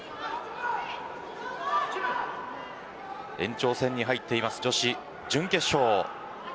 延長戦に入っている女子準決勝です。